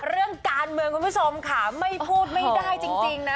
เรื่องการเมืองคุณผู้ชมค่ะไม่พูดไม่ได้จริงนะ